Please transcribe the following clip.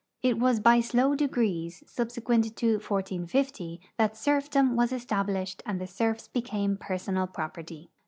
It Avas by sIoav degrees, subsequent to 1450, that serfdom Avas established and the serfs became ])ersonal property.